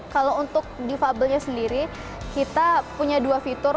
kalau untuk defable nya sendiri kita punya dua fitur